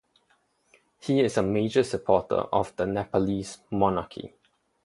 He is a major supporter of the Nepalese monarchy.